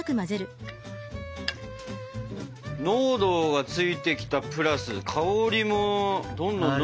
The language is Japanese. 濃度がついてきたプラス香りもどんどんどんどん。